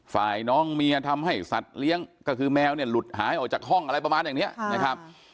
ฝ่ายน้องเมียทำให้สัตว์เลี้ยงก็คือแมวเนี่ยหลุดหายออกจากห้องอะไรประมาณอย่างนี้นะครับ